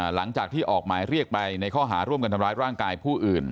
หลังจากที่ออกหมายเรียกไปในข้อหาร่วมกันทำร้ายร่างกายผู้อื่น